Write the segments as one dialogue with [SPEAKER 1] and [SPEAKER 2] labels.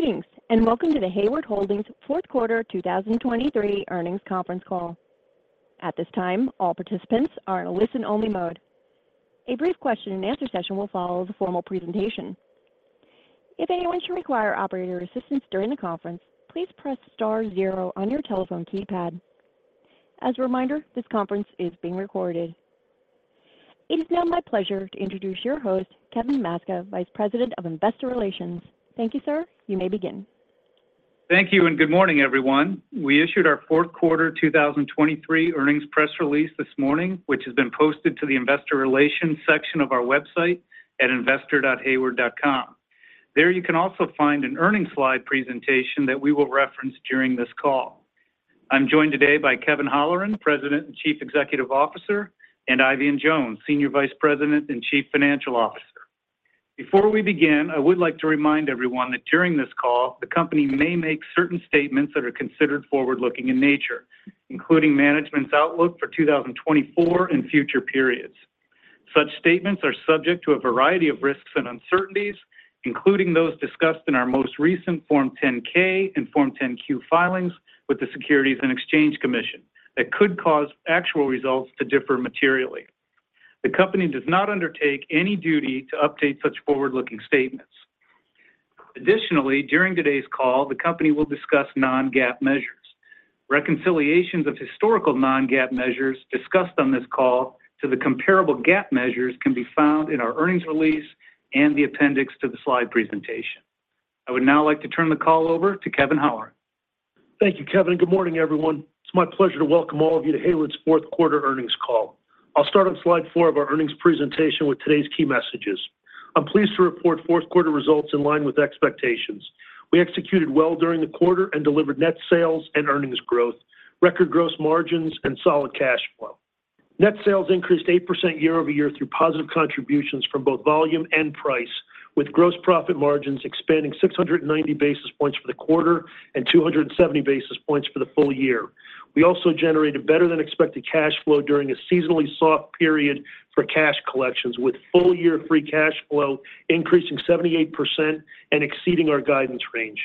[SPEAKER 1] Greetings and welcome to the Hayward Holdings Fourth Quarter 2023 Earnings Conference Call. At this time, all participants are in a listen-only mode. A brief question-and-answer session will follow the formal presentation. If anyone should require operator assistance during the conference, please press star zero on your telephone keypad. As a reminder, this conference is being recorded. It is now my pleasure to introduce your host, Kevin Maczka, Vice President of Investor Relations. Thank you, sir. You may begin.
[SPEAKER 2] Thank you and good morning, everyone. We issued our fourth quarter 2023 earnings press release this morning, which has been posted to the Investor Relations section of our website at investor.hayward.com. There you can also find an earnings slide presentation that we will reference during this call. I'm joined today by Kevin Holleran, President and Chief Executive Officer, and Eifion Jones, Senior Vice President and Chief Financial Officer. Before we begin, I would like to remind everyone that during this call, the company may make certain statements that are considered forward-looking in nature, including management's outlook for 2024 and future periods. Such statements are subject to a variety of risks and uncertainties, including those discussed in our most recent Form 10-K and Form 10-Q filings with the Securities and Exchange Commission, that could cause actual results to differ materially. The company does not undertake any duty to update such forward-looking statements. Additionally, during today's call, the company will discuss non-GAAP measures. Reconciliations of historical non-GAAP measures discussed on this call to the comparable GAAP measures can be found in our earnings release and the appendix to the slide presentation. I would now like to turn the call over to Kevin Holleran.
[SPEAKER 3] Thank you, Kevin. Good morning, everyone. It's my pleasure to welcome all of you to Hayward's fourth quarter earnings call. I'll start on slide four of our earnings presentation with today's key messages. I'm pleased to report fourth quarter results in line with expectations. We executed well during the quarter and delivered net sales and earnings growth, record gross margins, and solid cash flow. Net sales increased 8% year-over-year through positive contributions from both volume and price, with gross profit margins expanding 690 basis points for the quarter and 270 basis points for the full year. We also generated better-than-expected cash flow during a seasonally soft period for cash collections, with full-year free cash flow increasing 78% and exceeding our guidance range.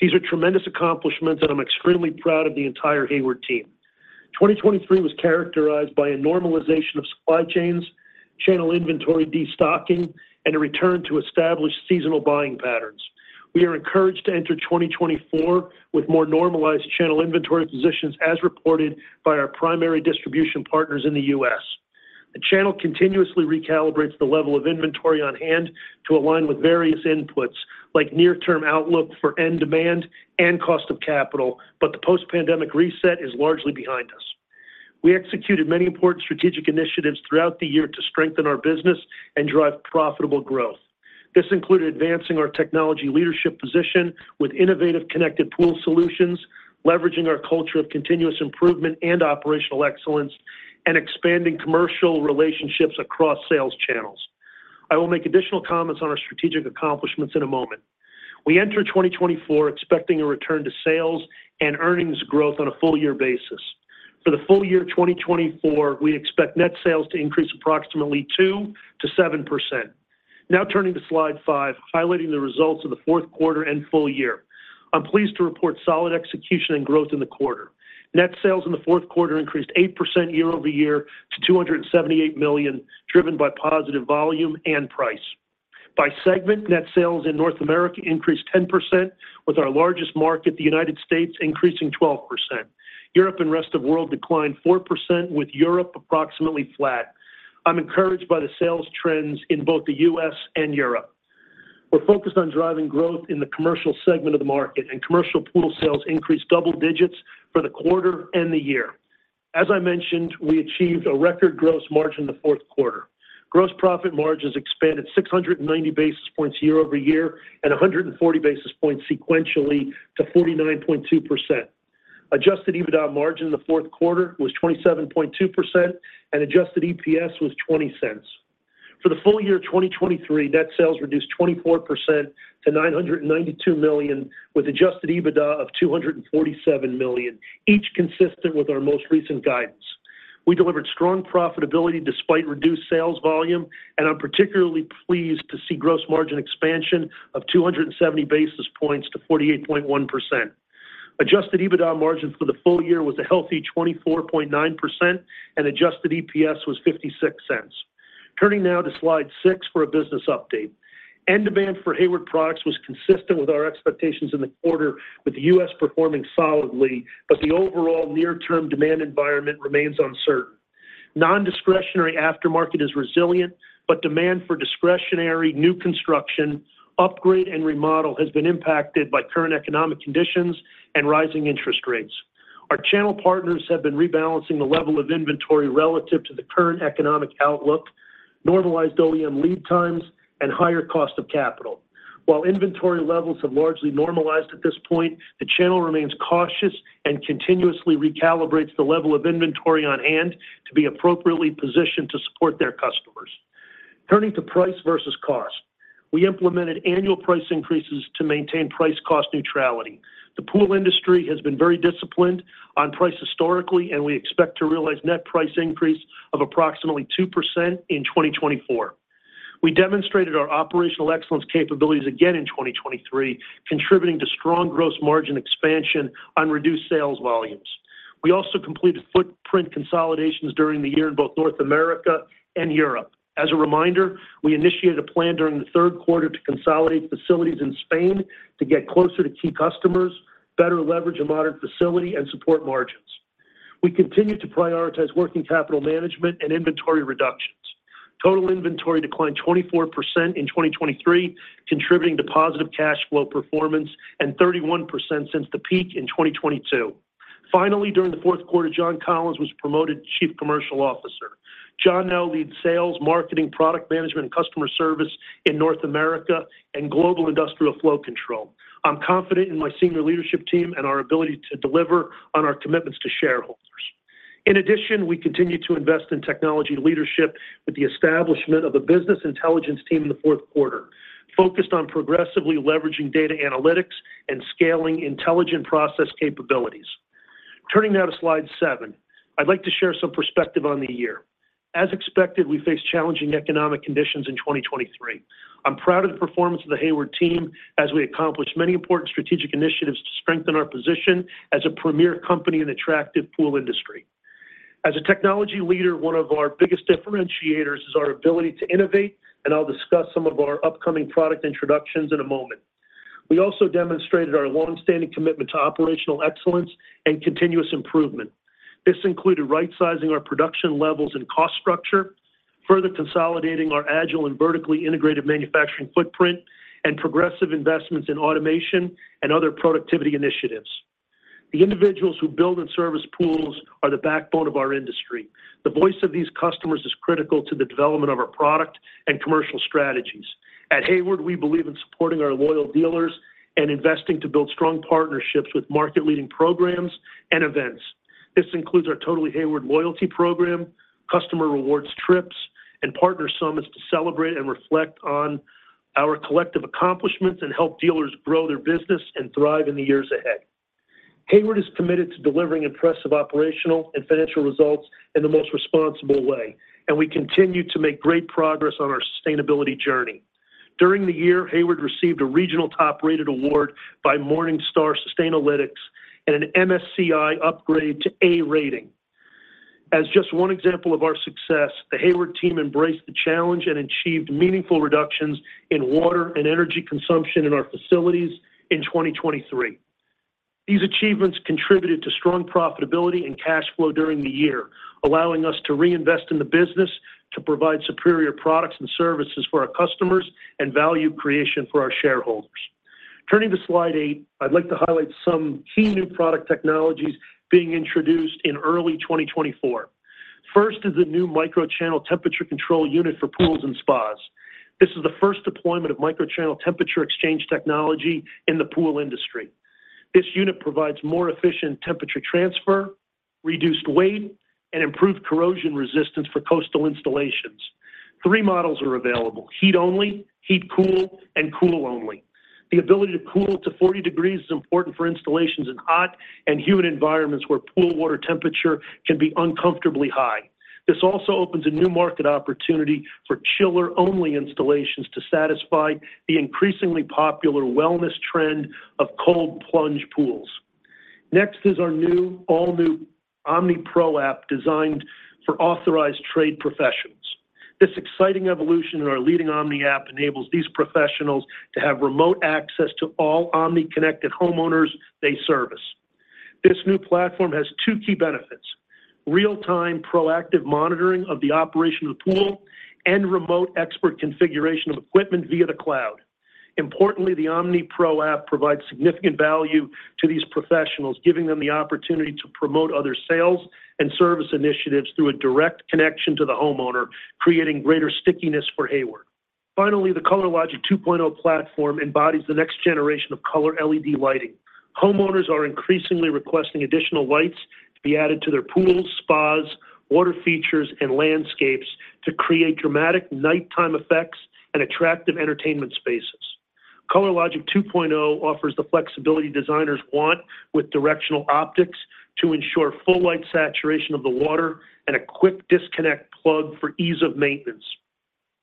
[SPEAKER 3] These are tremendous accomplishments, and I'm extremely proud of the entire Hayward team. 2023 was characterized by a normalization of supply chains, channel inventory destocking, and a return to established seasonal buying patterns. We are encouraged to enter 2024 with more normalized channel inventory positions as reported by our primary distribution partners in the U.S. The channel continuously recalibrates the level of inventory on hand to align with various inputs like near-term outlook for end demand and cost of capital, but the post-pandemic reset is largely behind us. We executed many important strategic initiatives throughout the year to strengthen our business and drive profitable growth. This included advancing our technology leadership position with innovative connected pool solutions, leveraging our culture of continuous improvement and operational excellence, and expanding commercial relationships across sales channels. I will make additional comments on our strategic accomplishments in a moment. We enter 2024 expecting a return to sales and earnings growth on a full-year basis. For the full year 2024, we expect net sales to increase approximately 2%-7%. Now turning to slide five, highlighting the results of the fourth quarter and full year. I'm pleased to report solid execution and growth in the quarter. Net sales in the fourth quarter increased 8% year-over-year to $278 million, driven by positive volume and price. By segment, net sales in North America increased 10%, with our largest market, the United States, increasing 12%. Europe and rest of the world declined 4%, with Europe approximately flat. I'm encouraged by the sales trends in both the U.S. and Europe. We're focused on driving growth in the commercial segment of the market, and commercial pool sales increased double digits for the quarter and the year. As I mentioned, we achieved a record gross margin in the fourth quarter. Gross profit margins expanded 690 basis points year-over-year and 140 basis points sequentially to 49.2%. Adjusted EBITDA margin in the fourth quarter was 27.2%, and adjusted EPS was $0.20. For the full year 2023, net sales reduced 24% to $992 million, with adjusted EBITDA of $247 million, each consistent with our most recent guidance. We delivered strong profitability despite reduced sales volume, and I'm particularly pleased to see gross margin expansion of 270 basis points to 48.1%. Adjusted EBITDA margin for the full year was a healthy 24.9%, and adjusted EPS was $0.56. Turning now to slide 6 for a business update. End demand for Hayward products was consistent with our expectations in the quarter, with the U.S. performing solidly, but the overall near-term demand environment remains uncertain. Nondiscretionary aftermarket is resilient, but demand for discretionary new construction, upgrade, and remodel has been impacted by current economic conditions and rising interest rates. Our channel partners have been rebalancing the level of inventory relative to the current economic outlook, normalized OEM lead times, and higher cost of capital. While inventory levels have largely normalized at this point, the channel remains cautious and continuously recalibrates the level of inventory on hand to be appropriately positioned to support their customers. Turning to price versus cost. We implemented annual price increases to maintain price-cost neutrality. The pool industry has been very disciplined on price historically, and we expect to realize net price increase of approximately 2% in 2024. We demonstrated our operational excellence capabilities again in 2023, contributing to strong gross margin expansion on reduced sales volumes. We also completed footprint consolidations during the year in both North America and Europe. As a reminder, we initiated a plan during the third quarter to consolidate facilities in Spain to get closer to key customers, better leverage a modern facility, and support margins. We continue to prioritize working capital management and inventory reductions. Total inventory declined 24% in 2023, contributing to positive cash flow performance and 31% since the peak in 2022. Finally, during the fourth quarter, John Collins was promoted Chief Commercial Officer. John now leads sales, marketing, product management, and customer service in North America and global industrial flow control. I'm confident in my senior leadership team and our ability to deliver on our commitments to shareholders. In addition, we continue to invest in technology leadership with the establishment of a business intelligence team in the fourth quarter, focused on progressively leveraging data analytics and scaling intelligent process capabilities. Turning now to slide seven, I'd like to share some perspective on the year. As expected, we face challenging economic conditions in 2023. I'm proud of the performance of the Hayward team as we accomplish many important strategic initiatives to strengthen our position as a premier company in the tracked pool industry. As a technology leader, one of our biggest differentiators is our ability to innovate, and I'll discuss some of our upcoming product introductions in a moment. We also demonstrated our longstanding commitment to operational excellence and continuous improvement. This included right-sizing our production levels and cost structure, further consolidating our agile and vertically integrated manufacturing footprint, and progressive investments in automation and other productivity initiatives. The individuals who build and service pools are the backbone of our industry. The voice of these customers is critical to the development of our product and commercial strategies. At Hayward, we believe in supporting our loyal dealers and investing to build strong partnerships with market-leading programs and events. This includes our Totally Hayward Loyalty Program, customer rewards trips, and partner summits to celebrate and reflect on our collective accomplishments and help dealers grow their business and thrive in the years ahead. Hayward is committed to delivering impressive operational and financial results in the most responsible way, and we continue to make great progress on our sustainability journey. During the year, Hayward received a regional top-rated award by Morningstar Sustainalytics and an MSCI Upgrade to A rating. As just one example of our success, the Hayward team embraced the challenge and achieved meaningful reductions in water and energy consumption in our facilities in 2023. These achievements contributed to strong profitability and cash flow during the year, allowing us to reinvest in the business to provide superior products and services for our customers and value creation for our shareholders. Turning to slide 8, I'd like to highlight some key new product technologies being introduced in early 2024. First is the new Microchannel temperature control unit for pools and spas. This is the first deployment of MicroChannel temperature exchange technology in the pool industry. This unit provides more efficient temperature transfer, reduced weight, and improved corrosion resistance for coastal installations. Three models are available: heat-only, heat-cool, and cool-only. The ability to cool to 40 degrees is important for installations in hot and humid environments where pool water temperature can be uncomfortably high. This also opens a new market opportunity for chiller-only installations to satisfy the increasingly popular wellness trend of cold plunge pools. Next is our all-new OmniPro app designed for authorized trade professionals. This exciting evolution in our leading Omni app enables these professionals to have remote access to all OmniConnected homeowners they service. This new platform has two key benefits: real-time proactive monitoring of the operation of the pool and remote expert configuration of equipment via the cloud. Importantly, the OmniPro app provides significant value to these professionals, giving them the opportunity to promote other sales and service initiatives through a direct connection to the homeowner, creating greater stickiness for Hayward. Finally, the ColorLogic 2.0 platform embodies the next generation of color LED lighting. Homeowners are increasingly requesting additional lights to be added to their pools, spas, water features, and landscapes to create dramatic nighttime effects and attractive entertainment spaces. ColorLogic 2.0 offers the flexibility designers want with directional optics to ensure full light saturation of the water and a quick disconnect plug for ease of maintenance.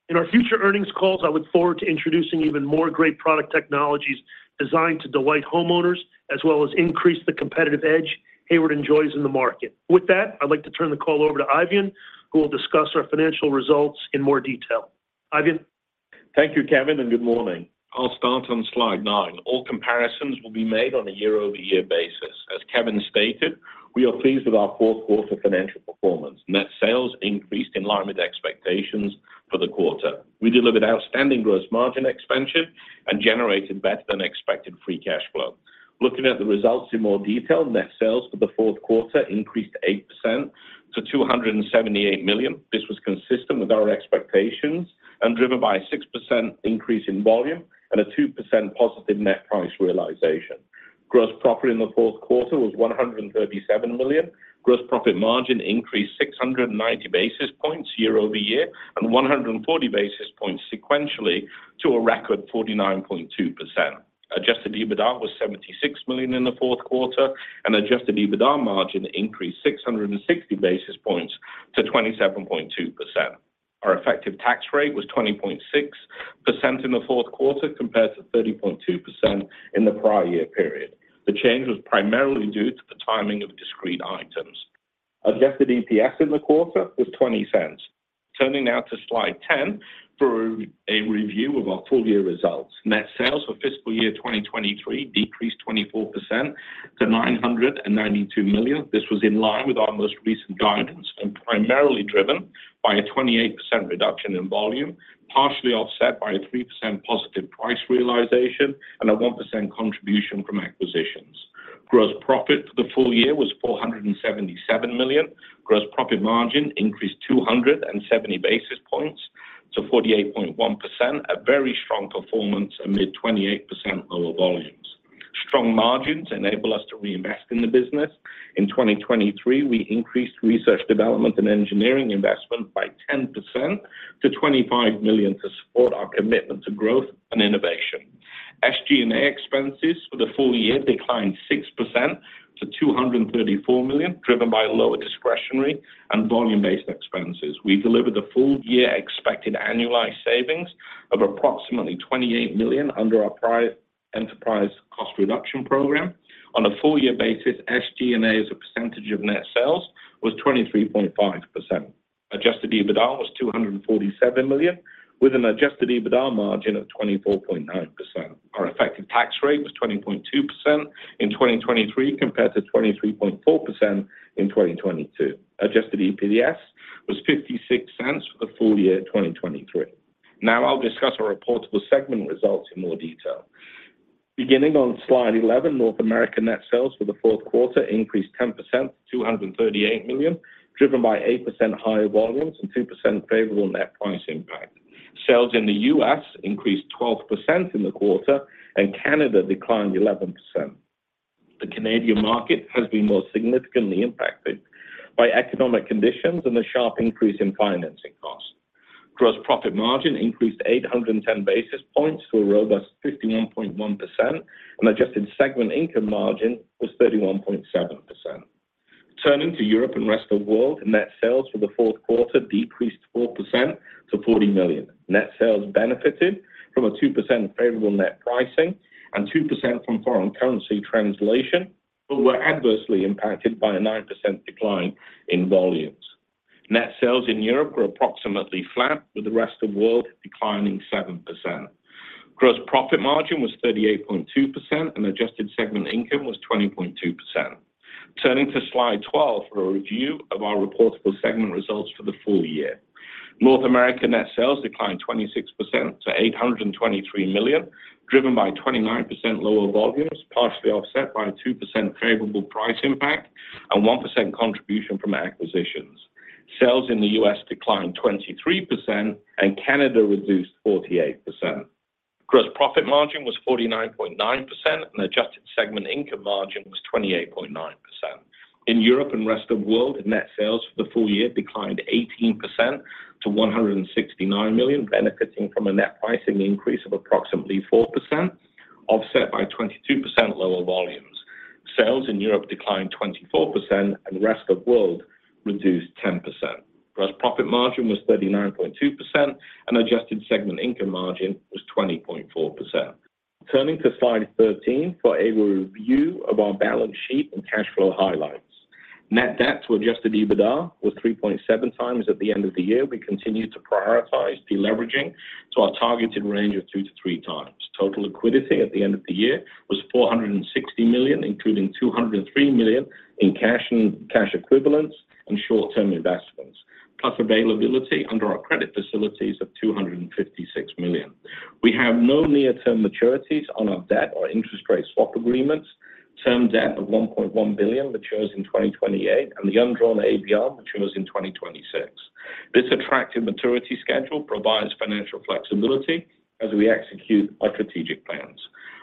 [SPEAKER 3] In our future earnings calls, I look forward to introducing even more great product technologies designed to delight homeowners as well as increase the competitive edge Hayward enjoys in the market. With that, I'd like to turn the call over to Eifion, who will discuss our financial results in more detail. Eifion.
[SPEAKER 4] Thank you, Kevin, and good morning. I'll start on slide nine. All comparisons will be made on a year-over-year basis. As Kevin stated, we are pleased with our fourth quarter financial performance, net sales increased in line with expectations for the quarter. We delivered outstanding gross margin expansion and generated better-than-expected free cash flow. Looking at the results in more detail, net sales for the fourth quarter increased 8% to $278 million. This was consistent with our expectations and driven by a 6% increase in volume and a 2% positive net price realization. Gross profit in the fourth quarter was $137 million. Gross profit margin increased 690 basis points year-over-year and 140 basis points sequentially to a record 49.2%. Adjusted EBITDA was $76 million in the fourth quarter, and adjusted EBITDA margin increased 660 basis points to 27.2%. Our effective tax rate was 20.6% in the fourth quarter compared to 30.2% in the prior year period. The change was primarily due to the timing of discrete items. Adjusted EPS in the quarter was $0.20. Turning now to slide 10 for a review of our full year results. Net sales for fiscal year 2023 decreased 24% to $992 million. This was in line with our most recent guidance and primarily driven by a 28% reduction in volume, partially offset by a 3% positive price realization and a 1% contribution from acquisitions. Gross profit for the full year was $477 million. Gross profit margin increased 270 basis points to 48.1%, a very strong performance amid 28% lower volumes. Strong margins enable us to reinvest in the business. In 2023, we increased research, development, and engineering investment by 10% to $25 million to support our commitment to growth and innovation. SG&A expenses for the full year declined 6% to $234 million, driven by lower discretionary and volume-based expenses. We delivered the full year expected annualized savings of approximately $28 million under our enterprise cost reduction program. On a full year basis, SG&A's percentage of net sales was 23.5%. Adjusted EBITDA was $247 million, with an adjusted EBITDA margin of 24.9%. Our effective tax rate was 20.2% in 2023 compared to 23.4% in 2022. Adjusted EPS was $0.56 for the full year 2023. Now I'll discuss our reportable segment results in more detail. Beginning on slide 11, North America net sales for the fourth quarter increased 10% to $238 million, driven by 8% higher volumes and 2% favorable net price impact. Sales in the U.S. increased 12% in the quarter, and Canada declined 11%. The Canadian market has been more significantly impacted by economic conditions and the sharp increase in financing costs. Gross profit margin increased 810 basis points to a robust 51.1%, and adjusted segment income margin was 31.7%. Turning to Europe and rest of the world, net sales for the fourth quarter decreased 4% to $40 million. Net sales benefited from a 2% favorable net pricing and 2% from foreign currency translation, but were adversely impacted by a 9% decline in volumes. Net sales in Europe were approximately flat, with the rest of the world declining 7%. Gross profit margin was 38.2%, and adjusted segment income was 20.2%. Turning to slide 12 for a review of our reportable segment results for the full year. North America net sales declined 26% to $823 million, driven by 29% lower volumes, partially offset by a 2% favorable price impact and 1% contribution from acquisitions. Sales in the U.S. declined 23%, and Canada reduced 48%. Gross profit margin was 49.9%, and adjusted segment income margin was 28.9%. In Europe and rest of the world, net sales for the full year declined 18% to $169 million, benefiting from a net pricing increase of approximately 4%, offset by 22% lower volumes. Sales in Europe declined 24%, and rest of the world reduced 10%. Gross profit margin was 39.2%, and adjusted segment income margin was 20.4%. Turning to Slide 13 for a review of our balance sheet and cash flow highlights. Net Debt to Adjusted EBITDA was 3.7x at the end of the year. We continue to prioritize deleveraging to our targeted range of 2-3x. Total liquidity at the end of the year was $460 million, including $203 million in cash equivalents and short-term investments, plus availability under our credit facilities of $256 million. We have no near-term maturities on our debt or interest rate swap agreements. Term debt of $1.1 billion matures in 2028, and the undrawn ABL matures in 2026. This attractive maturity schedule provides financial flexibility as we execute our strategic plans.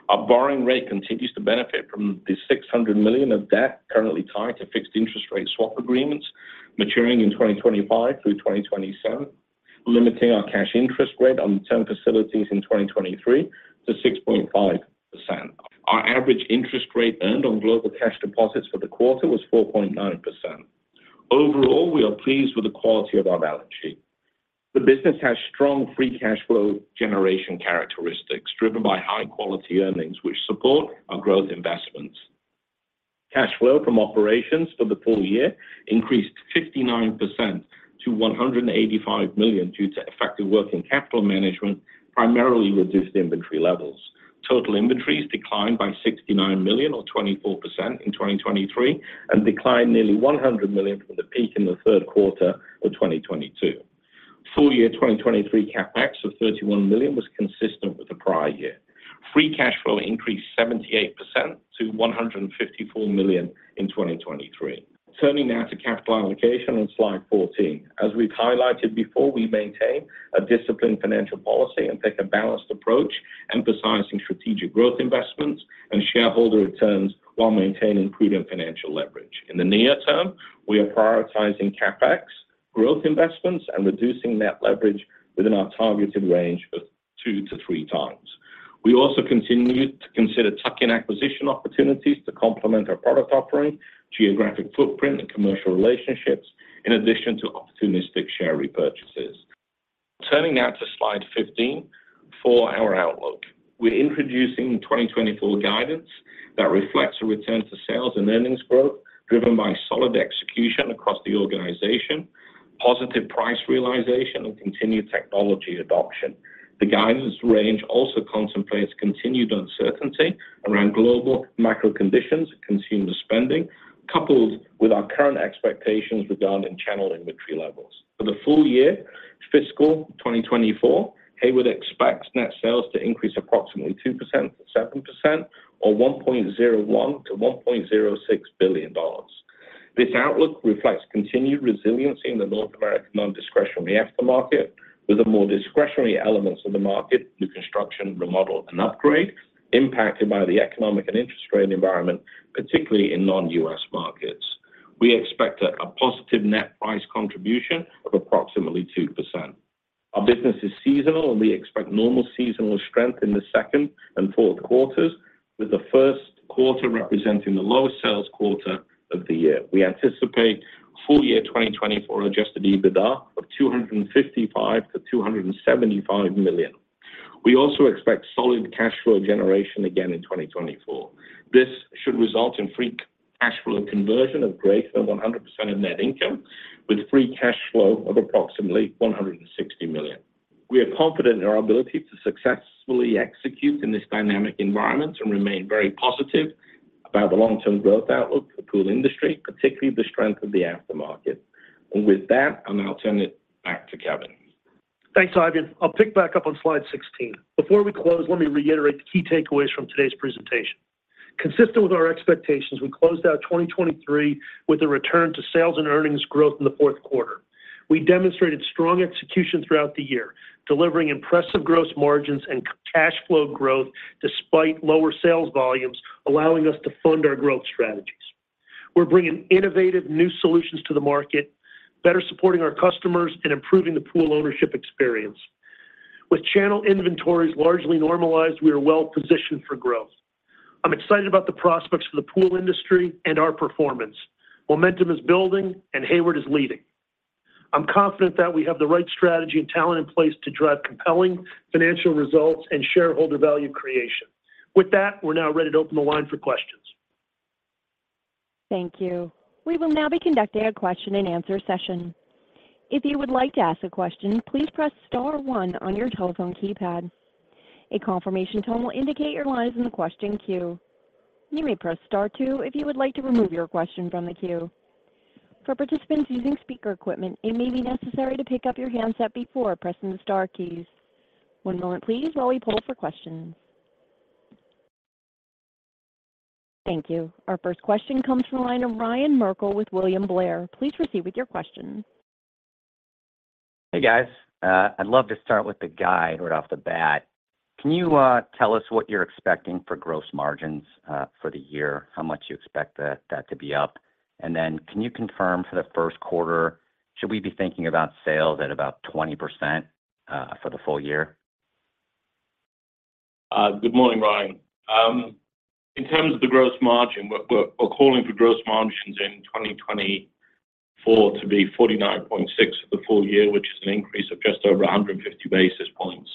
[SPEAKER 4] Our borrowing rate continues to benefit from the $600 million of debt currently tied to fixed interest rate swap agreements, maturing in 2025 through 2027, limiting our cash interest rate on term facilities in 2023 to 6.5%. Our average interest rate earned on global cash deposits for the quarter was 4.9%. Overall, we are pleased with the quality of our balance sheet. The business has strong free cash flow generation characteristics, driven by high-quality earnings which support our growth investments. Cash flow from operations for the full year increased 59% to $185 million due to effective working capital management, primarily reduced inventory levels. Total inventories declined by $69 million, or 24%, in 2023 and declined nearly $100 million from the peak in the third quarter of 2022. Full year 2023 CapEx of $31 million was consistent with the prior year. Free cash flow increased 78% to $154 million in 2023. Turning now to capital allocation on slide 14. As we've highlighted before, we maintain a disciplined financial policy and pick a balanced approach, emphasizing strategic growth investments and shareholder returns while maintaining prudent financial leverage. In the near term, we are prioritizing CapEx, growth investments, and reducing net leverage within our targeted range of 2-3 times. We also continue to consider tuck-in acquisition opportunities to complement our product offering, geographic footprint, and commercial relationships, in addition to opportunistic share repurchases. Turning now to slide 15 for our outlook. We're introducing 2024 guidance that reflects a return to sales and earnings growth driven by solid execution across the organization, positive price realization, and continued technology adoption. The guidance range also contemplates continued uncertainty around global macro conditions and consumer spending, coupled with our current expectations regarding channel inventory levels. For the full year fiscal 2024, Hayward expects net sales to increase approximately 2%-7%, or $1.01-$1.06 billion. This outlook reflects continued resiliency in the North American non-discretionary aftermarket, with more discretionary elements of the market, new construction, remodel, and upgrade, impacted by the economic and interest rate environment, particularly in non-US markets. We expect a positive net price contribution of approximately 2%. Our business is seasonal, and we expect normal seasonal strength in the second and fourth quarters, with the first quarter representing the lowest sales quarter of the year. We anticipate full year 2024 adjusted EBITDA of $255 million-$275 million. We also expect solid cash flow generation again in 2024. This should result in free cash flow conversion of greater than 100% of net income, with free cash flow of approximately $160 million. We are confident in our ability to successfully execute in this dynamic environment and remain very positive about the long-term growth outlook for pool industry, particularly the strength of the aftermarket. And with that, I'll now turn it back to Kevin.
[SPEAKER 3] Thanks, Eifion. I'll pick back up on slide 16. Before we close, let me reiterate the key takeaways from today's presentation. Consistent with our expectations, we closed out 2023 with a return to sales and earnings growth in the fourth quarter. We demonstrated strong execution throughout the year, delivering impressive gross margins and cash flow growth despite lower sales volumes, allowing us to fund our growth strategies. We're bringing innovative new solutions to the market, better supporting our customers, and improving the pool ownership experience. With channel inventories largely normalized, we are well positioned for growth. I'm excited about the prospects for the pool industry and our performance. Momentum is building, and Hayward is leading. I'm confident that we have the right strategy and talent in place to drive compelling financial results and shareholder value creation. With that, we're now ready to open the line for questions.
[SPEAKER 1] Thank you. We will now be conducting a question-and-answer session. If you would like to ask a question, please press star one on your telephone keypad. A confirmation tone will indicate your line is in the question queue. You may press star two if you would like to remove your question from the queue. For participants using speaker equipment, it may be necessary to pick up your handset before pressing the star keys. One moment, please, while we pull for questions. Thank you. Our first question comes from the line of Ryan Merkel with William Blair. Please proceed with your question.
[SPEAKER 5] Hey, guys. I'd love to start with the guide right off the bat. Can you tell us what you're expecting for gross margins for the year, how much you expect that to be up? And then can you confirm for the first quarter, should we be thinking about sales at about 20% for the full year?
[SPEAKER 4] Good morning, Ryan. In terms of the gross margin, we're calling for gross margins in 2024 to be 49.6% for the full year, which is an increase of just over 150 basis points.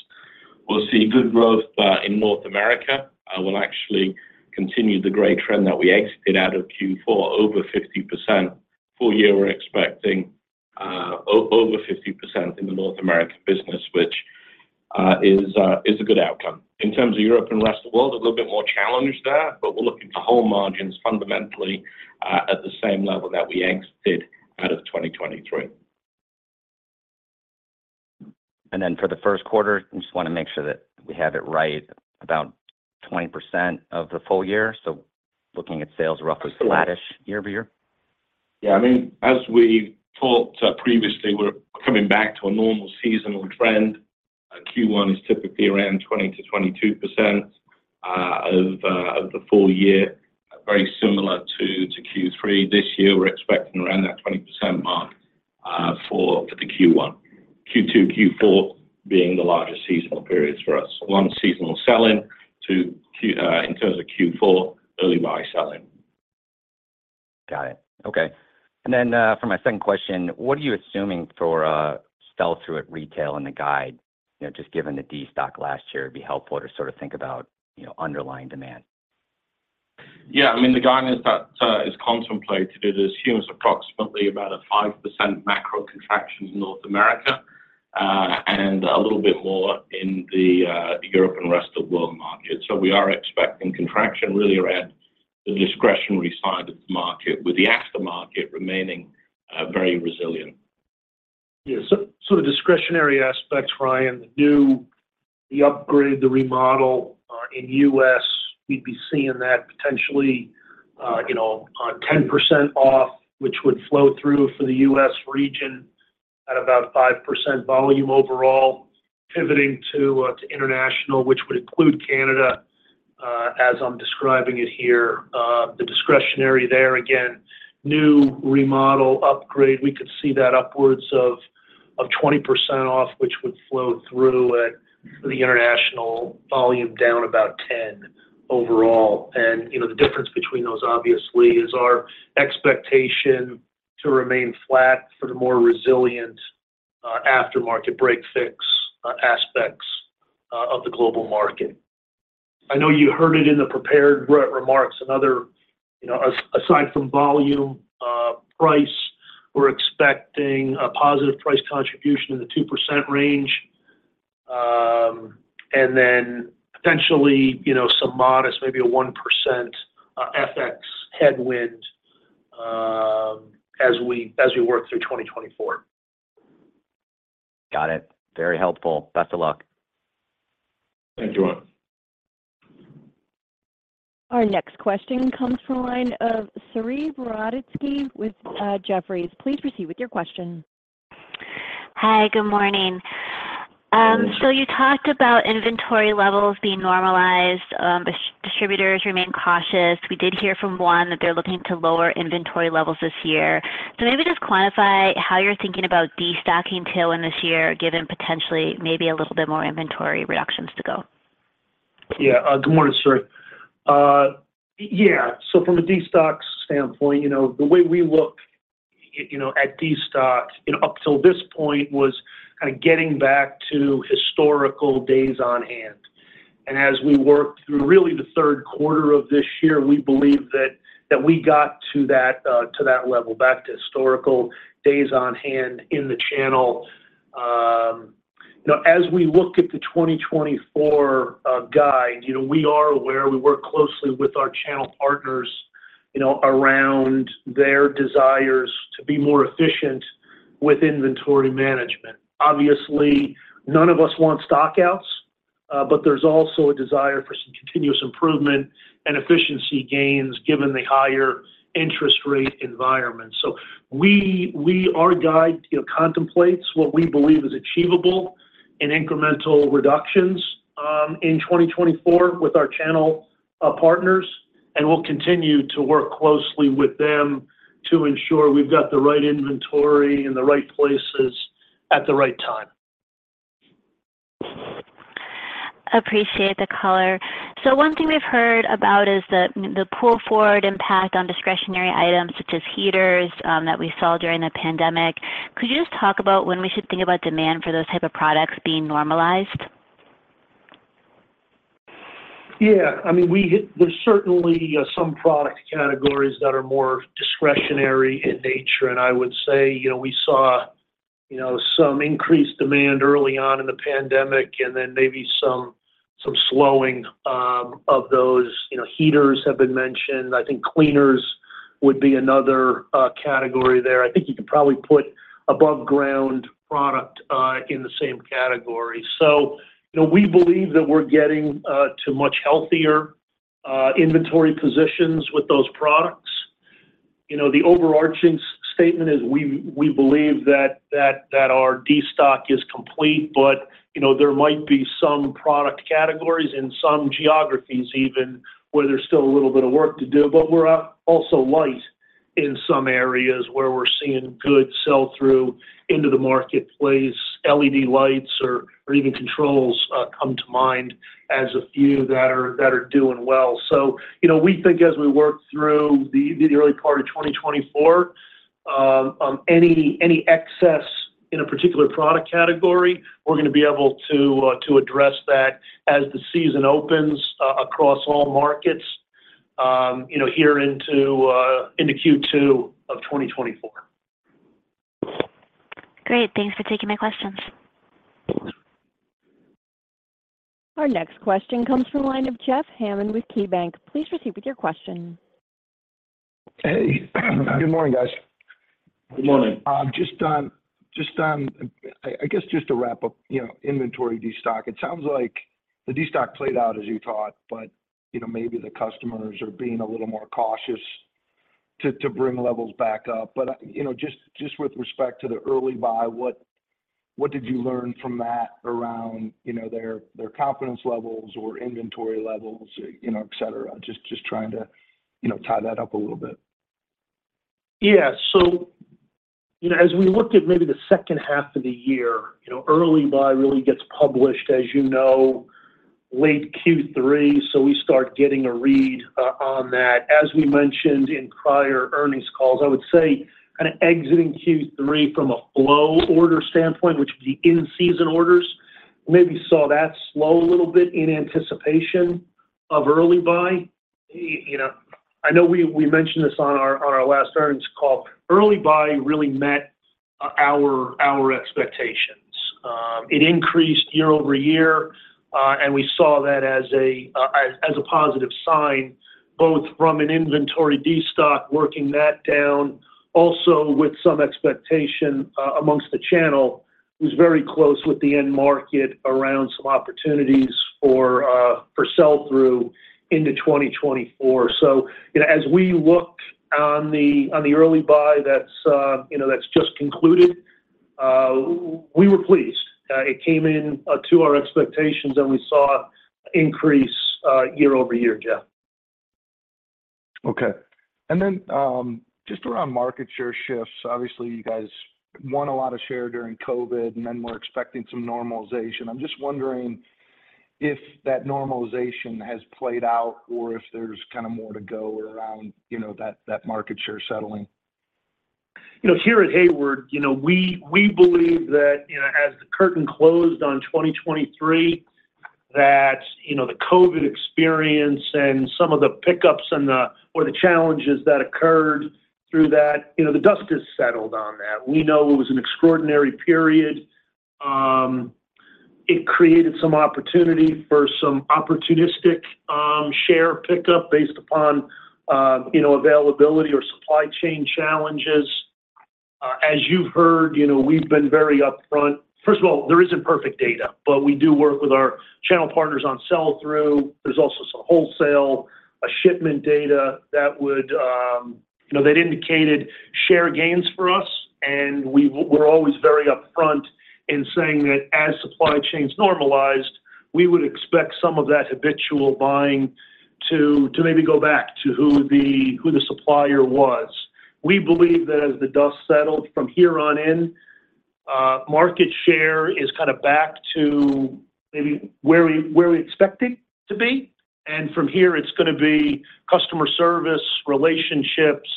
[SPEAKER 4] We'll see good growth in North America. We'll actually continue the great trend that we exited out of Q4, over 50%. Full year, we're expecting over 50% in the North American business, which is a good outcome. In terms of Europe and rest of the world, a little bit more challenge there, but we're looking to hold margins fundamentally at the same level that we exited out of 2023.
[SPEAKER 5] Then for the first quarter, I just want to make sure that we have it right, about 20% of the full year. Looking at sales roughly flattish year-over-year.
[SPEAKER 4] Yeah. I mean, as we talked previously, we're coming back to a normal seasonal trend. Q1 is typically around 20%-22% of the full year, very similar to Q3. This year, we're expecting around that 20% mark for the Q1, Q2, Q4 being the largest seasonal periods for us. One, seasonal selling. Two, in terms of Q4, early buy selling.
[SPEAKER 5] Got it. Okay. And then for my second question, what are you assuming for sell-through at retail in the guide, just given the destocking last year? It'd be helpful to sort of think about underlying demand.
[SPEAKER 4] Yeah. I mean, the guidance that is contemplated assumes approximately about a 5% macro contraction in North America and a little bit more in the Europe and rest of the world market. So we are expecting contraction really around the discretionary side of the market, with the Aftermarket remaining very resilient.
[SPEAKER 3] Yeah. So the discretionary aspects, Ryan, the upgrade, the remodel in U.S., we'd be seeing that potentially 10% off, which would flow through for the U.S. region at about 5% volume overall, pivoting to international, which would include Canada as I'm describing it here. The discretionary there, again, new remodel, upgrade, we could see that upwards of 20% off, which would flow through for the international volume down about 10 overall. And the difference between those, obviously, is our expectation to remain flat for the more resilient aftermarket break-fix aspects of the global market. I know you heard it in the prepared remarks. Aside from volume, price, we're expecting a positive price contribution in the 2% range and then potentially some modest, maybe a 1% FX headwind as we work through 2024.
[SPEAKER 5] Got it. Very helpful. Best of luck.
[SPEAKER 3] Thank you, Ryan.
[SPEAKER 1] Our next question comes from the line of Saree Boroditsky with Jefferies. Please proceed with your question.
[SPEAKER 6] Hi. Good morning. So you talked about inventory levels being normalized, distributors remain cautious. We did hear from one that they're looking to lower inventory levels this year. So maybe just quantify how you're thinking about destocking till in this year, given potentially maybe a little bit more inventory reductions to go.
[SPEAKER 3] Yeah. Good morning, Saree. Yeah. So from a destocking standpoint, the way we look at destocking up till this point was kind of getting back to historical days on hand. And as we worked through really the third quarter of this year, we believe that we got to that level, back to historical days on hand in the channel. As we look at the 2024 guide, we are aware. We work closely with our channel partners around their desires to be more efficient with inventory management. Obviously, none of us want stockouts, but there's also a desire for some continuous improvement and efficiency gains given the higher interest rate environment. Our guide contemplates what we believe is achievable in incremental reductions in 2024 with our channel partners, and we'll continue to work closely with them to ensure we've got the right inventory in the right places at the right time.
[SPEAKER 6] Appreciate the color. So one thing we've heard about is the pull forward impact on discretionary items such as heaters that we saw during the pandemic. Could you just talk about when we should think about demand for those type of products being normalized?
[SPEAKER 3] Yeah. I mean, there's certainly some product categories that are more discretionary in nature. And I would say we saw some increased demand early on in the pandemic and then maybe some slowing of those. Heaters have been mentioned. I think cleaners would be another category there. I think you could probably put above-ground product in the same category. So we believe that we're getting to much healthier inventory positions with those products. The overarching statement is we believe that our destocking is complete, but there might be some product categories in some geographies even where there's still a little bit of work to do. But we're also light in some areas where we're seeing good sell-through into the marketplace. LED lights or even controls come to mind as a few that are doing well. So we think as we work through the early part of 2024, any excess in a particular product category, we're going to be able to address that as the season opens across all markets here into Q2 of 2024.
[SPEAKER 6] Great. Thanks for taking my questions.
[SPEAKER 1] Our next question comes from the line of Jeff Hammond with KeyBanc. Please proceed with your question.
[SPEAKER 7] Hey. Good morning, guys.
[SPEAKER 3] Good morning.
[SPEAKER 7] I guess just to wrap up, inventory destock, it sounds like the destock played out as you thought, but maybe the customers are being a little more cautious to bring levels back up. But just with respect to the Early Buy, what did you learn from that around their confidence levels or inventory levels, etc.? Just trying to tie that up a little bit.
[SPEAKER 3] Yeah. So as we look at maybe the second half of the year, Early Buy really gets published, as you know, late Q3. So we start getting a read on that. As we mentioned in prior earnings calls, I would say kind of exiting Q3 from a flow order standpoint, which would be in-season orders, maybe saw that slow a little bit in anticipation of Early Buy. I know we mentioned this on our last earnings call. Early Buy really met our expectations. It increased year-over-year, and we saw that as a positive sign, both from an inventory destocking working that down, also with some expectation among the channel. It was very close with the end market around some opportunities for sell-through into 2024. So as we look on the Early Buy that's just concluded, we were pleased. It came in to our expectations, and we saw an increase year-over-year, Jeff.
[SPEAKER 7] Okay. And then just around market share shifts, obviously, you guys won a lot of share during COVID, and then we're expecting some normalization. I'm just wondering if that normalization has played out or if there's kind of more to go around that market share settling?
[SPEAKER 3] Here at Hayward, we believe that as the curtain closed on 2023, that the COVID experience and some of the pickups or the challenges that occurred through that, the dust has settled on that. We know it was an extraordinary period. It created some opportunity for some opportunistic share pickup based upon availability or supply chain challenges. As you've heard, we've been very upfront. First of all, there isn't perfect data, but we do work with our channel partners on sell-through. There's also some wholesale, shipment data that they'd indicated share gains for us, and we're always very upfront in saying that as supply chains normalized, we would expect some of that habitual buying to maybe go back to who the supplier was. We believe that as the dust settled from here on in, market share is kind of back to maybe where we expect it to be. And from here, it's going to be customer service relationships,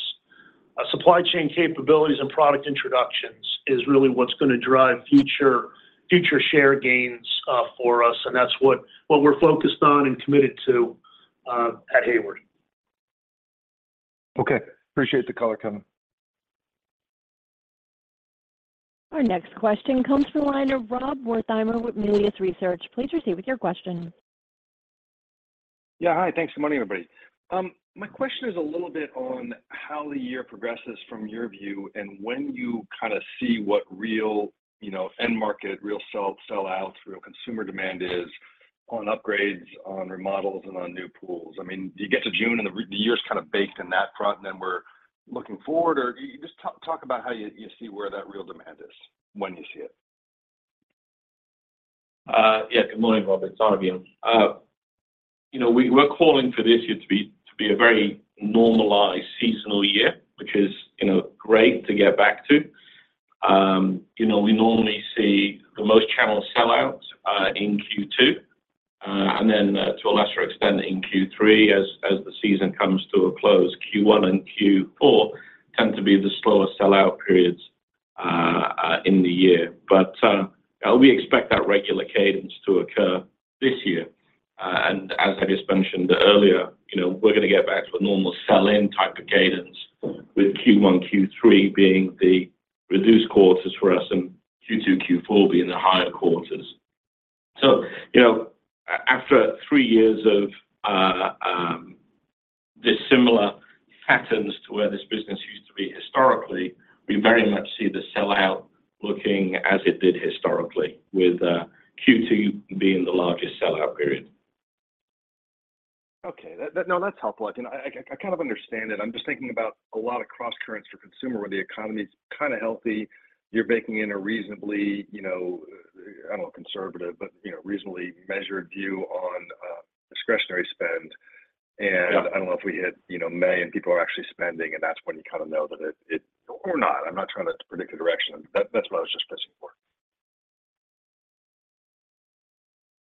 [SPEAKER 3] supply chain capabilities, and product introductions is really what's going to drive future share gains for us. And that's what we're focused on and committed to at Hayward.
[SPEAKER 7] Okay. Appreciate the color coming.
[SPEAKER 1] Our next question comes from the line of Rob Wertheimer with Melius Research. Please proceed with your question.
[SPEAKER 8] Yeah. Hi. Thanks for the morning, everybody. My question is a little bit on how the year progresses from your view and when you kind of see what real end market, real sell-outs, real consumer demand is on upgrades, on remodels, and on new pools. I mean, you get to June, and the year's kind of baked in that front, and then we're looking forward, or just talk about how you see where that real demand is when you see it?
[SPEAKER 4] Yeah. Good morning, Rob. It's an honor to have you. We're calling for this year to be a very normalized seasonal year, which is great to get back to. We normally see the most channel sell-outs in Q2 and then to a lesser extent in Q3 as the season comes to a close. Q1 and Q4 tend to be the slower sell-out periods in the year. But we expect that regular cadence to occur this year. And as I just mentioned earlier, we're going to get back to a normal sell-in type of cadence with Q1, Q3 being the reduced quarters for us and Q2, Q4 being the higher quarters. So after three years of this similar patterns to where this business used to be historically, we very much see the sell-out looking as it did historically, with Q2 being the largest sell-out period.
[SPEAKER 8] Okay. No, that's helpful. I kind of understand it. I'm just thinking about a lot of cross-currents for consumer where the economy's kind of healthy. You're baking in a reasonably - I don't know - conservative, but reasonably measured view on discretionary spend. And I don't know if we hit May and people are actually spending, and that's when you kind of know that it or not. I'm not trying to predict a direction. That's what I was just pitching for.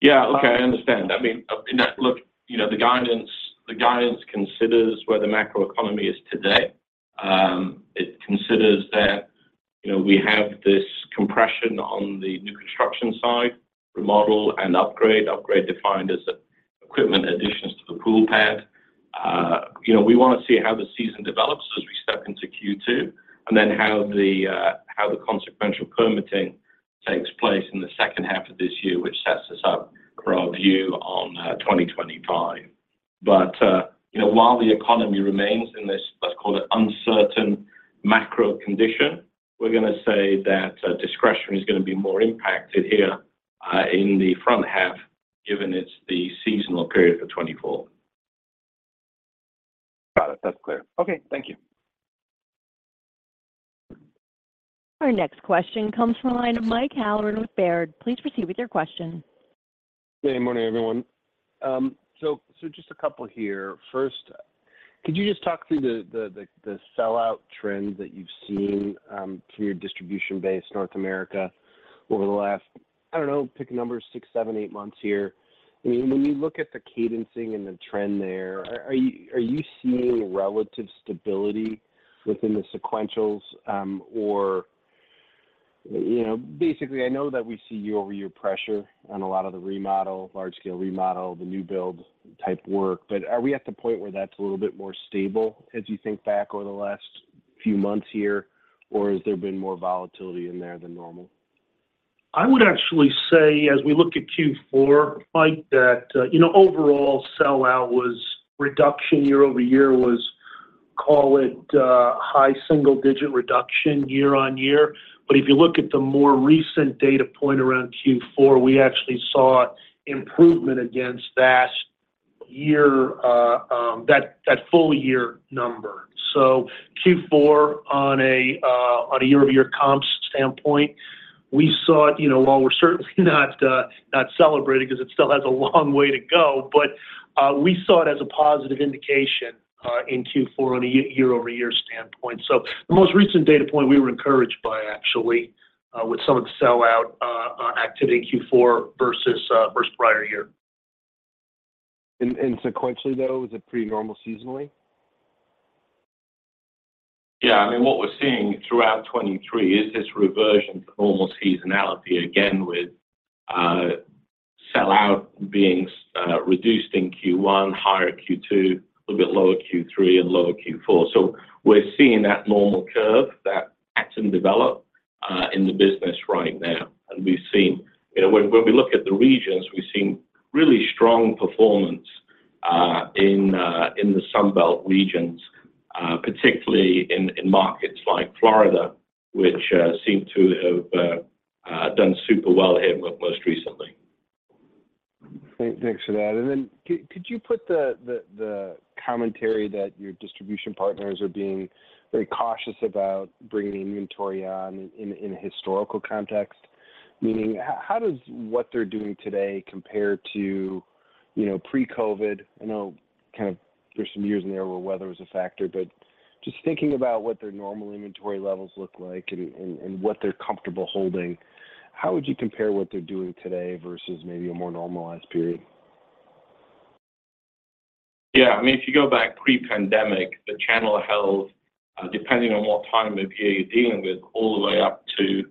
[SPEAKER 4] Yeah. Okay. I understand. I mean, look, the guidance considers where the macroeconomy is today. It considers that we have this compression on the new construction side, remodel and upgrade. Upgrade defined as equipment additions to the pool pad. We want to see how the season develops as we step into Q2 and then how the consequential permitting takes place in the second half of this year, which sets us up for our view on 2025. But while the economy remains in this, let's call it, uncertain macro condition, we're going to say that discretion is going to be more impacted here in the front half given it's the seasonal period for 2024.
[SPEAKER 8] Got it. That's clear. Okay. Thank you.
[SPEAKER 1] Our next question comes from the line of Mike Halloran with Baird. Please proceed with your question.
[SPEAKER 9] Good morning, everyone. So just a couple here. First, could you just talk through the sell-out trend that you've seen from your distribution-based North America over the last - I don't know - pick a number, six, seven, eight months here? I mean, when you look at the cadencing and the trend there, are you seeing relative stability within the sequentials? Or basically, I know that we see year-over-year pressure on a lot of the large-scale remodel, the new build type work, but are we at the point where that's a little bit more stable as you think back over the last few months here, or has there been more volatility in there than normal?
[SPEAKER 3] I would actually say as we look at Q4, Mike, that overall sell-out was reduction year-over-year, call it high single-digit reduction year-on-year. But if you look at the more recent data point around Q4, we actually saw improvement against that full-year number. So Q4, on a year-over-year comps standpoint, we saw it while we're certainly not celebrating because it still has a long way to go, but we saw it as a positive indication in Q4 on a year-over-year standpoint. So the most recent data point, we were encouraged by actually with some of the sell-out activity in Q4 versus prior year.
[SPEAKER 10] Sequentially, though, was it pretty normal seasonally?
[SPEAKER 4] Yeah. I mean, what we're seeing throughout 2023 is this reversion to normal seasonality again with Sell-Out being reduced in Q1, higher Q2, a little bit lower Q3, and lower Q4. So we're seeing that normal curve, that pattern develop in the business right now. And we've seen when we look at the regions, we've seen really strong performance in the Sunbelt regions, particularly in markets like Florida, which seem to have done super well here most recently.
[SPEAKER 8] Thanks for that. And then could you put the commentary that your distribution partners are being very cautious about bringing inventory on in a historical context? Meaning, how does what they're doing today compare to pre-COVID? I know kind of there's some years in there where weather was a factor, but just thinking about what their normal inventory levels look like and what they're comfortable holding, how would you compare what they're doing today versus maybe a more normalized period?
[SPEAKER 4] Yeah. I mean, if you go back pre-pandemic, the channel held, depending on what time of year you're dealing with, all the way up to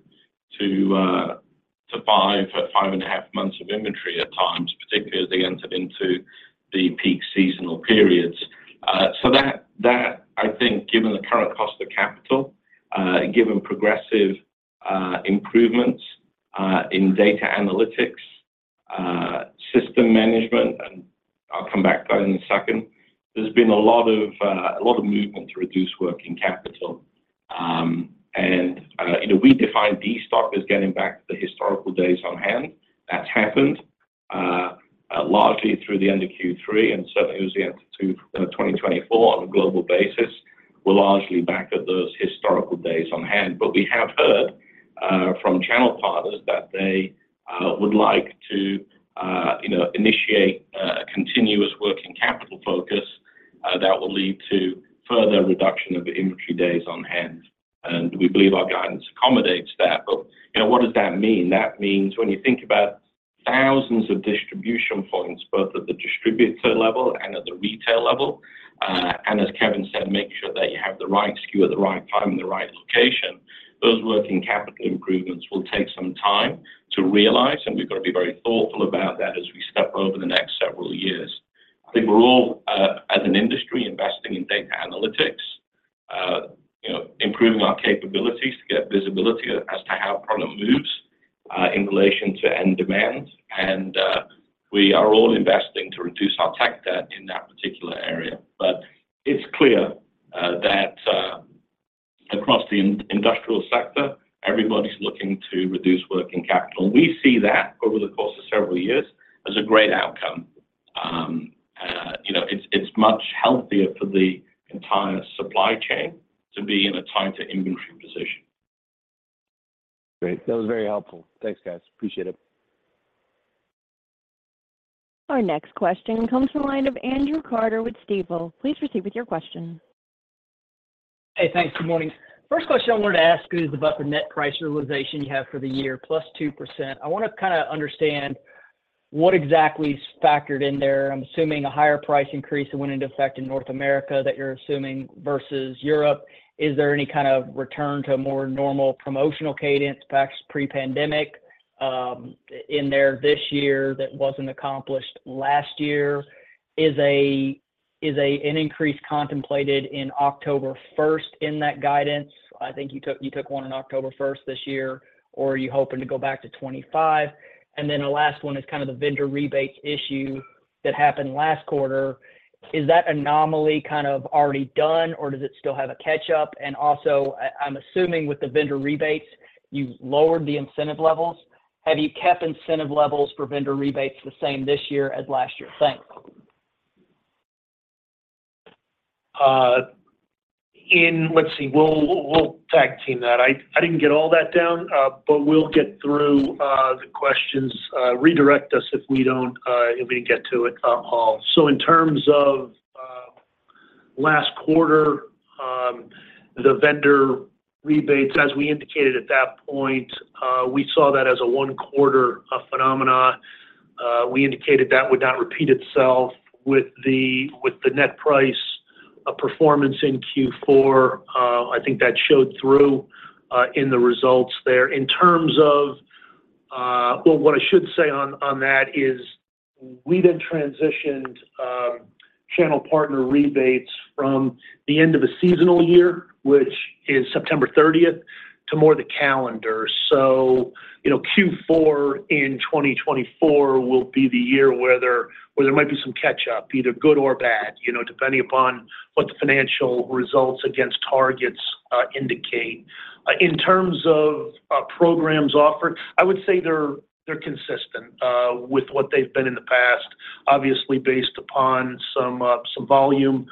[SPEAKER 4] 5.5 months of inventory at times, particularly as they entered into the peak seasonal periods. So that, I think, given the current cost of capital, given progressive improvements in data analytics, system management, and I'll come back to that in a second, there's been a lot of movement to reduce working capital. And we define destocking as getting back to the historical days on hand. That's happened largely through the end of Q3, and certainly, as we enter 2024 on a global basis, we're largely back at those historical days on hand. But we have heard from channel partners that they would like to initiate a continuous working capital focus that will lead to further reduction of inventory days on hand. And we believe our guidance accommodates that. But what does that mean? That means when you think about thousands of distribution points, both at the distributor level and at the retail level, and as Kevin said, make sure that you have the right SKU at the right time and the right location, those working capital improvements will take some time to realize. And we've got to be very thoughtful about that as we step over the next several years. I think we're all, as an industry, investing in data analytics, improving our capabilities to get visibility as to how product moves in relation to end demand. And we are all investing to reduce our tech debt in that particular area. But it's clear that across the industrial sector, everybody's looking to reduce working capital. And we see that over the course of several years as a great outcome. It's much healthier for the entire supply chain to be in a tighter inventory position.
[SPEAKER 8] Great. That was very helpful. Thanks, guys. Appreciate it.
[SPEAKER 1] Our next question comes from the line of Andrew Carter with Stifel. Please proceed with your question.
[SPEAKER 11] Hey. Thanks. Good morning. First question I wanted to ask is about the net price realization you have for the year, +2%. I want to kind of understand what exactly's factored in there. I'm assuming a higher price increase that went into effect in North America that you're assuming versus Europe. Is there any kind of return to a more normal promotional cadence, perhaps pre-pandemic, in there this year that wasn't accomplished last year? Is an increase contemplated in October 1st in that guidance? I think you took one on October 1st this year, or are you hoping to go back to 2025? And then the last one is kind of the vendor rebates issue that happened last quarter. Is that anomaly kind of already done, or does it still have a catch-up? And also, I'm assuming with the vendor rebates, you lowered the incentive levels. Have you kept incentive levels for vendor rebates the same this year as last year? Thanks.
[SPEAKER 3] Let's see. We'll tag team that. I didn't get all that down, but we'll get through the questions. Redirect us if we didn't get to it all. So in terms of last quarter, the vendor rebates, as we indicated at that point, we saw that as a one-quarter phenomenon. We indicated that would not repeat itself with the net price performance in Q4. I think that showed through in the results there. In terms of well, what I should say on that is we then transitioned channel partner rebates from the end of a seasonal year, which is September 30th, to more the calendar. So Q4 in 2024 will be the year where there might be some catch-up, either good or bad, depending upon what the financial results against targets indicate. In terms of programs offered, I would say they're consistent with what they've been in the past, obviously based upon some volume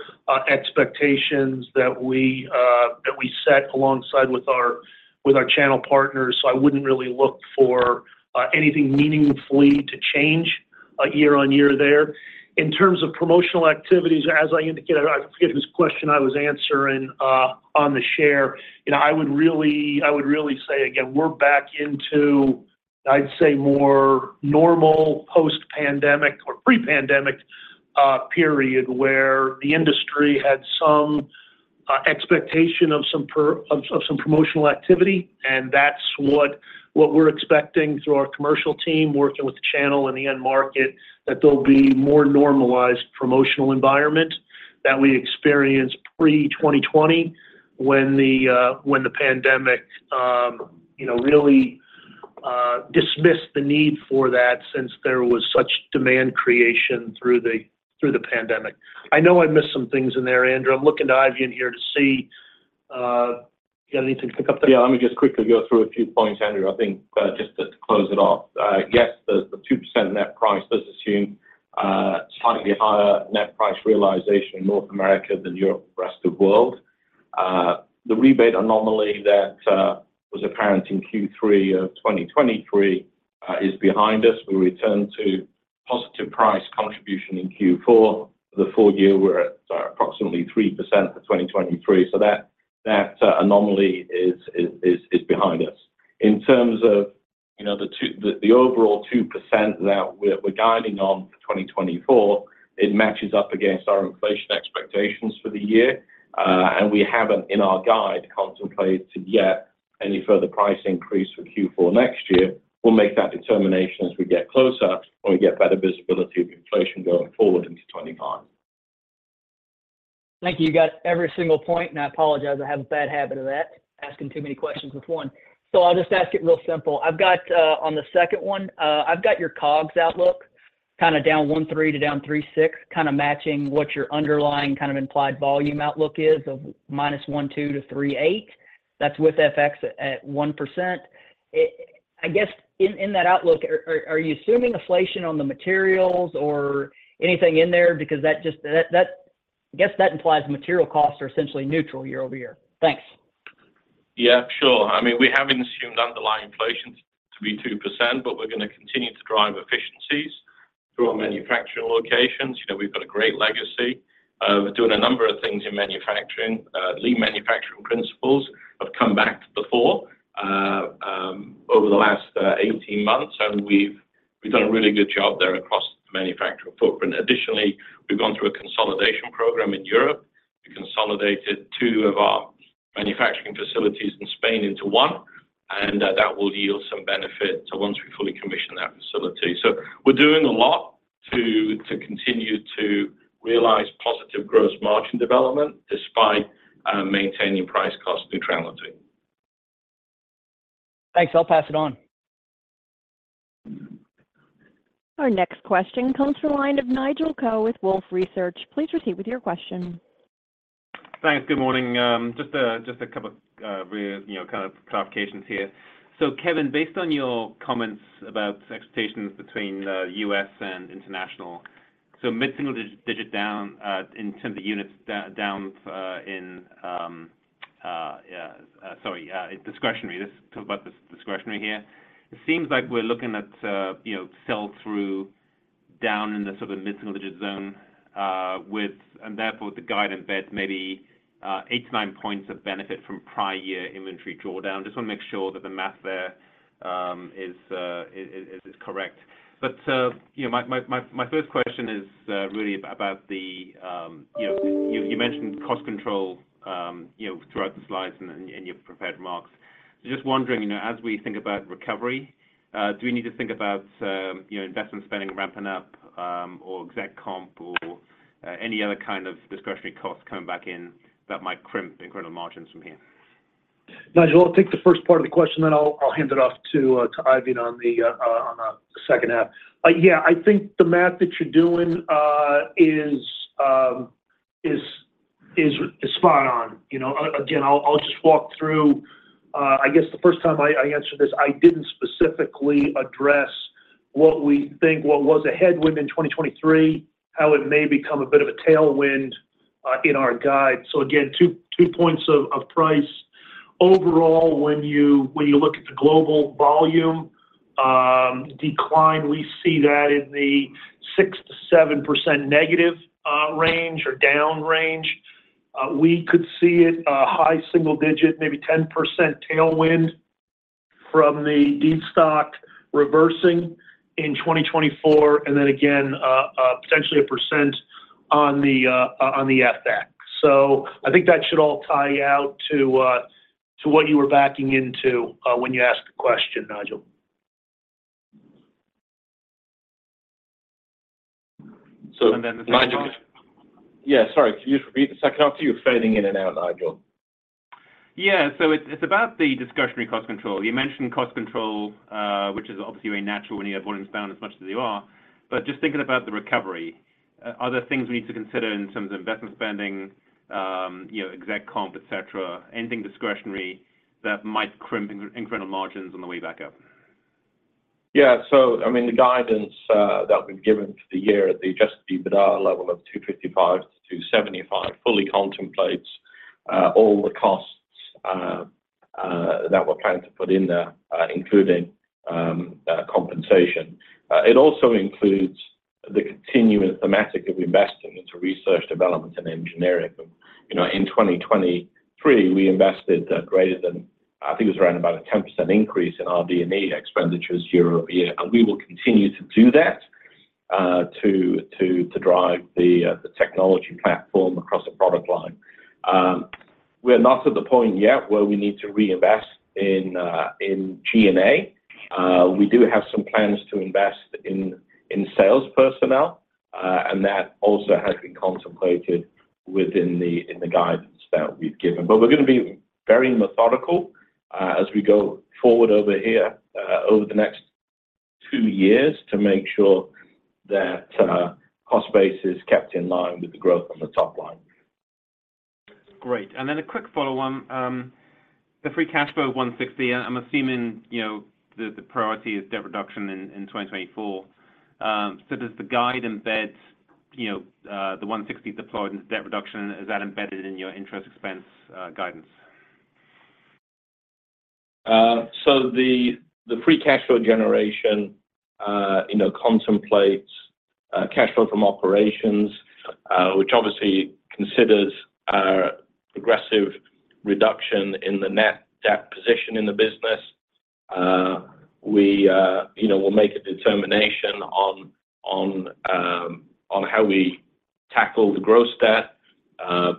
[SPEAKER 3] expectations that we set alongside with our channel partners. So I wouldn't really look for anything meaningfully to change year on year there. In terms of promotional activities, as I indicated, I forget whose question I was answering on the share. I would really say, again, we're back into, I'd say, more normal post-pandemic or pre-pandemic period where the industry had some expectation of some promotional activity. And that's what we're expecting through our commercial team working with the channel and the end market, that there'll be more normalized promotional environment that we experienced pre-2020 when the pandemic really dismissed the need for that since there was such demand creation through the pandemic. I know I missed some things in there, Andrew. I'm looking to Ivy in here to see if you got anything to pick up there.
[SPEAKER 4] Yeah. Let me just quickly go through a few points, Andrew. I think just to close it off. Yes, the 2% net price; let's assume slightly higher net price realization in North America than Europe and the rest of the world. The rebate anomaly that was apparent in Q3 of 2023 is behind us. We returned to positive price contribution in Q4. For the full year, we're at approximately 3% for 2023. So that anomaly is behind us. In terms of the overall 2% that we're guiding on for 2024, it matches up against our inflation expectations for the year. We haven't, in our guide, contemplated yet any further price increase for Q4 next year. We'll make that determination as we get closer and we get better visibility of inflation going forward into 2025.
[SPEAKER 11] Thank you. You got every single point. And I apologize. I have a bad habit of that, asking too many questions with one. So I'll just ask it real simple. On the second one, I've got your COGS outlook kind of down 1.3% to down 3.6%, kind of matching what your underlying kind of implied volume outlook is of minus 1.2% to 3.8%. That's with FX at 1%. I guess in that outlook, are you assuming inflation on the materials or anything in there? Because I guess that implies material costs are essentially neutral year-over-year. Thanks.
[SPEAKER 4] Yeah. Sure. I mean, we haven't assumed underlying inflation to be 2%, but we're going to continue to drive efficiencies through our manufacturing locations. We've got a great legacy of doing a number of things in manufacturing. Lean manufacturing principles have come back before over the last 18 months, and we've done a really good job there across the manufacturing footprint. Additionally, we've gone through a consolidation program in Europe. We consolidated 2 of our manufacturing facilities in Spain into 1, and that will yield some benefit once we fully commission that facility. So we're doing a lot to continue to realize positive gross margin development despite maintaining price-cost neutrality.
[SPEAKER 11] Thanks. I'll pass it on.
[SPEAKER 1] Our next question comes from the line of Nigel Coe with Wolfe Research. Please proceed with your question.
[SPEAKER 12] Thanks. Good morning. Just a couple of kind of clarifications here. So Kevin, based on your comments about expectations between U.S. and international, so mid-single-digit down in terms of units down in yeah, sorry, discretionary. This is about the discretionary here. It seems like we're looking at sell-through down in the sort of mid-single-digit zone and therefore with the guide embed maybe 8-9 points of benefit from prior year inventory drawdown. Just want to make sure that the math there is correct. But my first question is really about the you mentioned cost control throughout the slides in your prepared remarks. So just wondering, as we think about recovery, do we need to think about investment spending ramping up or exec comp or any other kind of discretionary costs coming back in that might crimp incremental margins from here?
[SPEAKER 3] Nigel, I'll take the first part of the question, then I'll hand it off to Eifion on the second half. Yeah. I think the math that you're doing is spot on. Again, I'll just walk through, I guess the first time I answered this, I didn't specifically address what we think was a headwind in 2023, how it may become a bit of a tailwind in our guide. So again, two points of price. Overall, when you look at the global volume decline, we see that in the 6%-7% negative range or down range. We could see it high single-digit, maybe 10% tailwind from the destocking reversing in 2024 and then again, potentially 1% on the FX. So I think that should all tie out to what you were backing into when you asked the question, Nigel.
[SPEAKER 12] So.
[SPEAKER 4] And then the second half.
[SPEAKER 3] Nigel.
[SPEAKER 4] Yeah. Sorry. Can you just repeat the second half too? You're fading in and out, Nigel.
[SPEAKER 12] Yeah. So it's about the discretionary cost control. You mentioned cost control, which is obviously very natural when you have volumes down as much as they are. But just thinking about the recovery, are there things we need to consider in terms of investment spending, exec comp, etc., anything discretionary that might crimp incremental margins on the way back up?
[SPEAKER 4] Yeah. So I mean, the guidance that we've given for the year at the just [EBITDA] level of 2.55-2.75 fully contemplates all the costs that we're planning to put in there, including compensation. It also includes the continuing theme of investing into research, development, and engineering. In 2023, we invested greater than I think it was around about a 10% increase in our D&E expenditures year-over-year. And we will continue to do that to drive the technology platform across the product line. We're not at the point yet where we need to reinvest in G&A. We do have some plans to invest in sales personnel, and that also has been contemplated within the guidance that we've given. We're going to be very methodical as we go forward over here over the next two years to make sure that cost base is kept in line with the growth on the top line.
[SPEAKER 12] Great. Then a quick follow-on. The free cash flow of $1.60, I'm assuming the priority is debt reduction in 2024. Does the guide embed the $1.60 deployed into debt reduction? Is that embedded in your interest expense guidance?
[SPEAKER 4] The free cash flow generation contemplates cash flow from operations, which obviously considers our progressive reduction in the net debt position in the business. We'll make a determination on how we tackle the gross debt.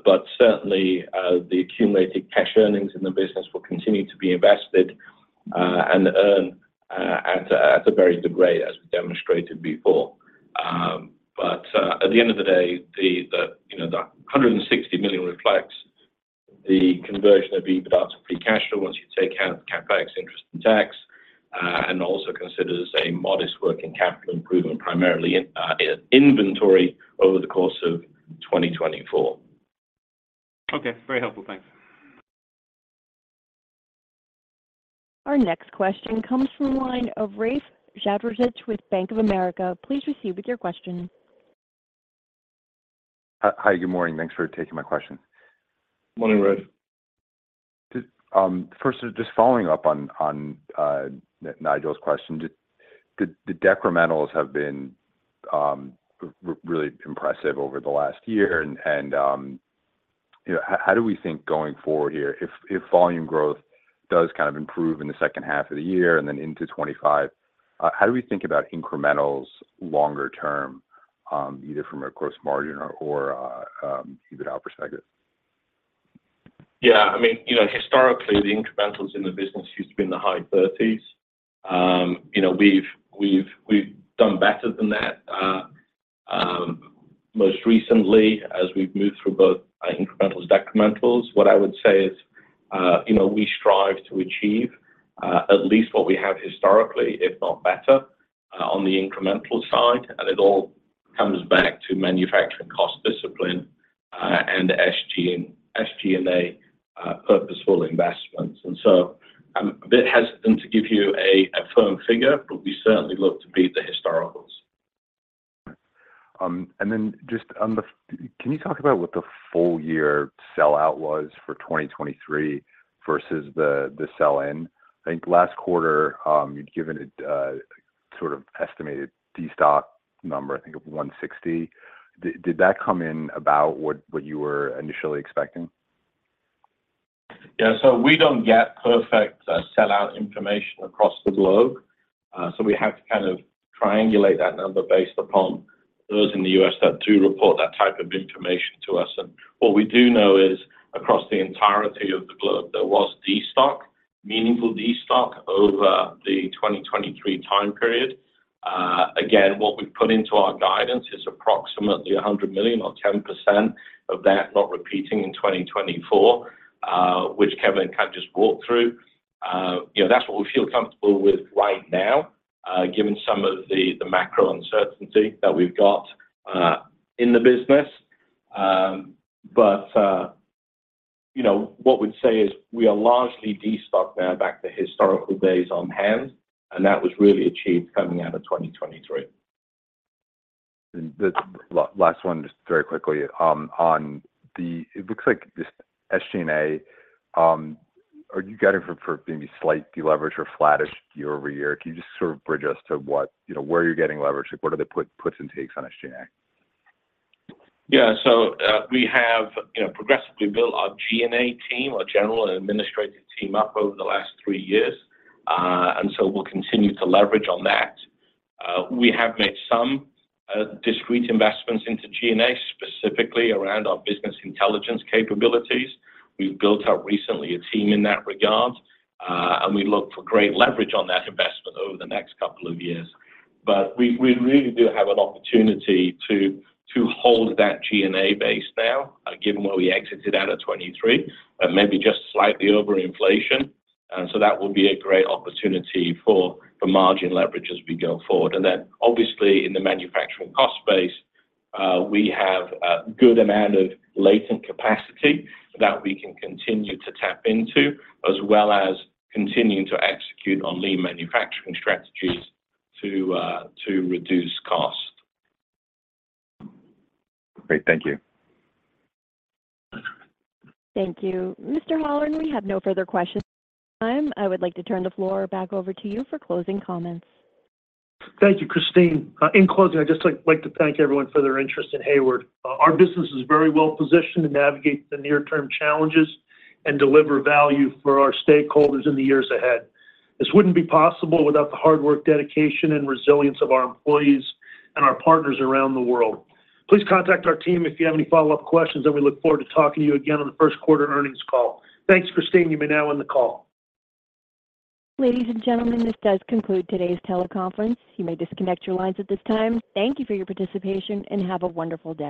[SPEAKER 4] But certainly, the accumulated cash earnings in the business will continue to be invested and earn at a very good rate as we demonstrated before. At the end of the day, the $160 million reflects the conversion of EBITDA to free cash flow once you take out the CapEx, interest, and tax, and also considers a modest working capital improvement, primarily in inventory over the course of 2024.
[SPEAKER 12] Okay. Very helpful. Thanks.
[SPEAKER 1] Our next question comes from the line of Rafe Jadrosich with Bank of America. Please proceed with your question.
[SPEAKER 13] Hi. Good morning. Thanks for taking my question.
[SPEAKER 7] Morning, Rafe.
[SPEAKER 13] First, just following up on Nigel's question, the decrementals have been really impressive over the last year. How do we think going forward here, if volume growth does kind of improve in the second half of the year and then into 2025, how do we think about incrementals longer term, either from a gross margin or EBITDA perspective?
[SPEAKER 7] Yeah. I mean, historically, the incrementals in the business used to be in the high 30s. We've done better than that most recently as we've moved through both incrementals and decrementals. What I would say is we strive to achieve at least what we have historically, if not better, on the incremental side. And it all comes back to manufacturing cost discipline and SG&A purposeful investments. And so I'm a bit hesitant to give you a firm figure, but we certainly look to beat the historicals.
[SPEAKER 13] And then just on the, can you talk about what the full-year sell-out was for 2023 versus the sell-in? I think last quarter, you'd given a sort of estimated destock number, I think, of 1.60. Did that come in about what you were initially expecting?
[SPEAKER 7] Yeah. So we don't get perfect sell-out information across the globe. So we have to kind of triangulate that number based upon those in the US that do report that type of information to us. And what we do know is across the entirety of the globe, there was meaningful destocking over the 2023 time period. Again, what we've put into our guidance is approximately $100 million or 10% of that, not repeating, in 2024, which Kevin kind of just walked through. That's what we feel comfortable with right now, given some of the macro uncertainty that we've got in the business. But what we'd say is we are largely destocked now back to historical days on hand, and that was really achieved coming out of 2023.
[SPEAKER 13] And last one, just very quickly, on the, it looks like this SG&A, are you guiding for maybe slight deleverage or flattish year-over-year? Can you just sort of bridge us to where you're getting leverage? What are the puts and takes on SG&A?
[SPEAKER 7] Yeah. We have progressively built our G&A team, our general and administrative team, up over the last three years. We'll continue to leverage on that. We have made some discrete investments into G&A, specifically around our business intelligence capabilities. We've built up recently a team in that regard, and we look for great leverage on that investment over the next couple of years. But we really do have an opportunity to hold that G&A base now, given where we exited out of 2023, but maybe just slightly over inflation. That will be a great opportunity for margin leverage as we go forward. Then obviously, in the manufacturing cost space, we have a good amount of latent capacity that we can continue to tap into, as well as continuing to execute on lean manufacturing strategies to reduce cost.
[SPEAKER 13] Great. Thank you.
[SPEAKER 1] Thank you. Mr. Holleran, we have no further questions at this time. I would like to turn the floor back over to you for closing comments.
[SPEAKER 3] Thank you, Christine. In closing, I just like to thank everyone for their interest in Hayward. Our business is very well positioned to navigate the near-term challenges and deliver value for our stakeholders in the years ahead. This wouldn't be possible without the hard work, dedication, and resilience of our employees and our partners around the world. Please contact our team if you have any follow-up questions, and we look forward to talking to you again on the first quarter earnings call. Thanks, Christine. You may now end the call.
[SPEAKER 1] Ladies and gentlemen, this does conclude today's teleconference. You may disconnect your lines at this time. Thank you for your participation, and have a wonderful day.